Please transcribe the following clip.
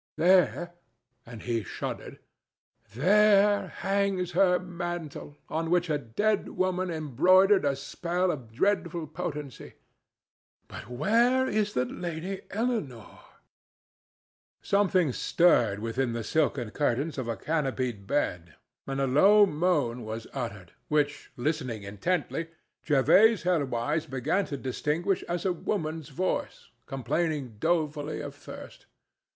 There"—and he shuddered—"there hangs her mantle, on which a dead woman embroidered a spell of dreadful potency. But where is the Lady Eleanore?" Something stirred within the silken curtains of a canopied bed and a low moan was uttered, which, listening intently, Jervase Helwyse began to distinguish as a woman's voice complaining dolefully of thirst.